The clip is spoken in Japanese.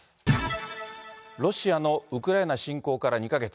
ロシアのウクライナ侵攻から２か月。